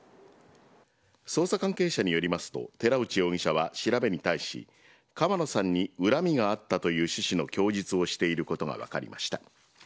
捜査関係者によりますと寺内容疑者は調べに対し川野さんに恨みがあったという趣旨の供述をしていることが分かりました。